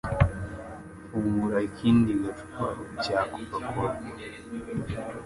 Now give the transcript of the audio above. Fungura ikindi gacupa cya CocaCola